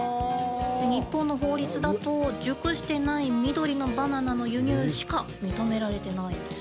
日本の法律だと熟してない緑のバナナの輸入しか認められてないんです。